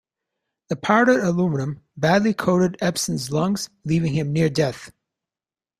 The powdered aluminum badly coated Ebsen's lungs, leaving him near death.